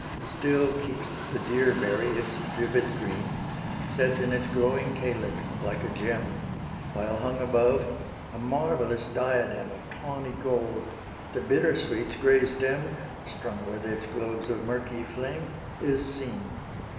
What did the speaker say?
Still keeps the deer berry its vivid green, Set in its glowing calyx like a gem; While hung above, a marvellous diadem Of tawny gold, the bittersweet's gray stem, Strung with its globes of murky flame is seen.